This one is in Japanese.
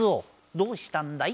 どうしたんだい？